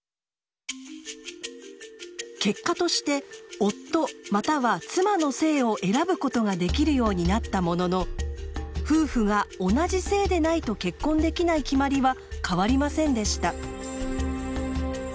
結果として夫または妻の姓を選ぶことができるようになったものの夫婦が同じ姓でないと結婚できない決まりは変わりませんでした。